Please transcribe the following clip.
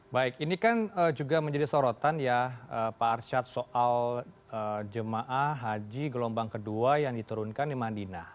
baik ini kan juga menjadi sorotan ya pak arsyad soal jemaah haji gelombang kedua yang diturunkan di madinah